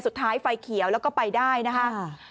ไฟเขียวแล้วก็ไปได้นะคะ